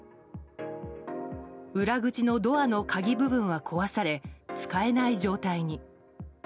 裏口のドアの鍵部分は壊され使えない状態に。